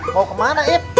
mau kemana ip